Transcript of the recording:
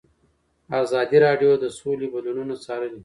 ازادي راډیو د سوله بدلونونه څارلي.